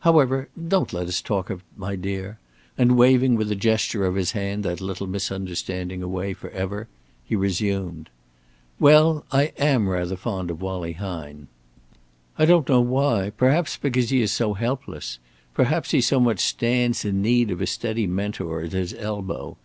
However, don't let us talk of it, my dear"; and waving with a gesture of the hand that little misunderstanding away forever, he resumed: "Well, I am rather fond of Wallie Hine. I don't know why, perhaps because he is so helpless, because he so much stands in need of a steady mentor at his elbow.